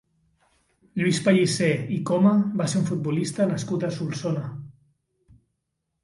Lluís Pellicer i Coma va ser un futbolista nascut a Solsona.